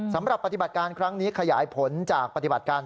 สำหรับปฏิบัติการครั้งนี้ขยายผลจากปฏิบัติการ